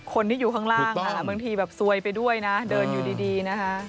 คนที่อยู่ข้างล่างบางทีแบบซวยไปด้วยนะเดินอยู่ดีนะคะ